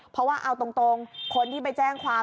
เพราะว่าเอาตรงคนที่ไปแจ้งความ